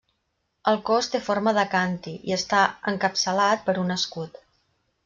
El cos té forma de càntir i està encapçalat per un escut.